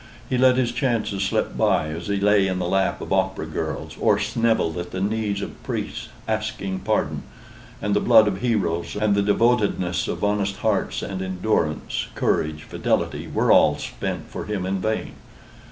He let his chances slip by as he lay in the lap of opera girls, or snivelled at the knees of priests asking pardon; and the blood of heroes, and the devotedness of honest hearts, and endurance, courage, fidelity, were all spent for him in vain.